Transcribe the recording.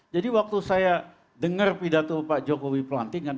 jadi waktu saya dengar pidato pak jokowi pelantikan